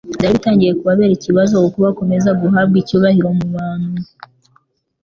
Byari bitangiye kubabera ikibazo uko bakomeza guhabwa icyubahiro mu bantu